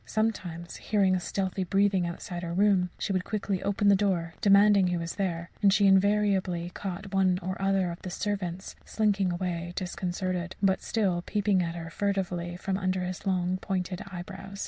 Sometimes, hearing a stealthy breathing outside her room, she would quickly open the door, demanding who was there; and she invariably caught one or other of the servants slinking away disconcerted, but still peeping at her furtively from under his long pointed eyebrows.